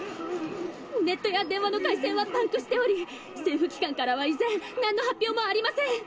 ネットや電話の回線はパンクしており政府機関からは依然なんの発表もありません。